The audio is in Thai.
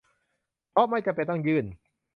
เพราะไม่จำเป็นต้องยื่น